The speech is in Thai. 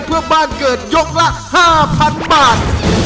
เพื่อบ้านเกิดยกละ๕๐๐๐บาท